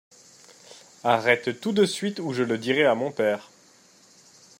Arrête tout de suite où je le dirai à mon père.